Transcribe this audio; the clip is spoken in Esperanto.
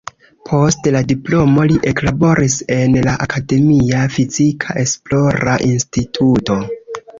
Post la diplomo li eklaboris en la akademia fizika esplora instituto.